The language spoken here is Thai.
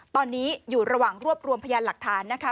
ตอนนี้อยู่ระหว่างรวบรวมพยานหลักฐานนะคะ